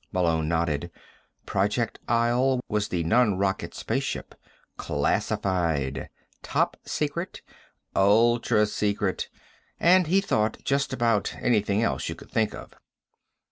Malone nodded. Project Isle was the non rocket spaceship. Classified. Top Secret. Ultra Secret. And, he thought, just about anything else you could think of.